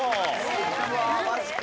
うわあマジか。